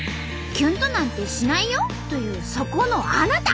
キュンとなんてしないよ？というそこのあなた！